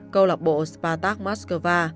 cầu lọc bộ spartak moskova